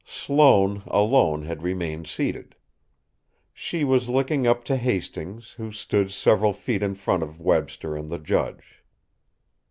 Sloane, alone, had remained seated. She was looking up to Hastings, who stood several feet in front of Webster and the judge.